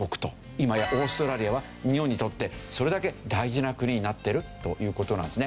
今やオーストラリアは日本にとってそれだけ大事な国になってるという事なんですね。